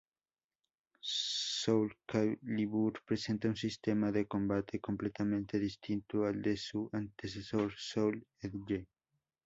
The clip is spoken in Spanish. Soulcalibur presenta un sistema de combate completamente distinto al de su antecesor, Soul Edge.